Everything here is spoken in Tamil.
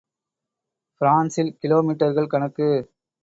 பிரான்சில் கிலோ மீட்டர்கள் கணக்கு.